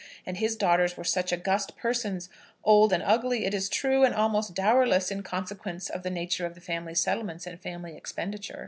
And his daughters were such august persons, old and ugly, it is true, and almost dowerless in consequence of the nature of the family settlements and family expenditure.